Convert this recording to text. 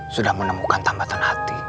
sudah menemukan tambatan hati